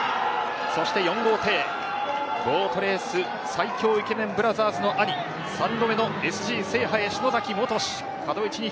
そして４号艇、ボートレース最強イケメンブラザーズの兄、３度目のＳＧ制覇へ篠崎元志。